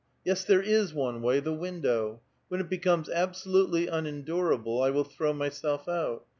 Yes, there is one way, the window ; when it becomes absolutely unendurable, 1 will throw myself out.